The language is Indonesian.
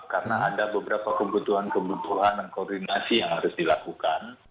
karena ada beberapa kebutuhan kebutuhan dan koordinasi yang harus dilakukan